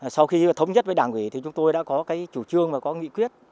sau khi thống nhất với đảng ủy thì chúng tôi đã có cái chủ trương và có nghị quyết